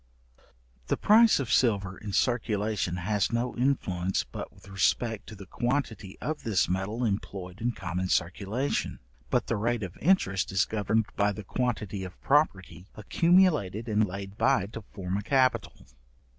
The price of silver in circulation has no influence but with respect to the quantity of this metal employed in common circulation; but the rate of interest is governed by the quantity of property accumulated and laid by to form a capital.